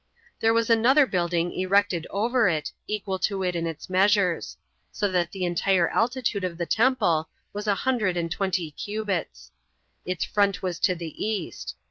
There was another building erected over it, equal to it in its measures; so that the entire altitude of the temple was a hundred and twenty cubits. Its front was to the east.